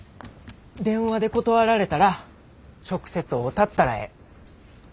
電話で断られたら直接会うたったらええ。